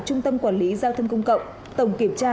trung tâm quản lý giao thông công cộng tổng kiểm tra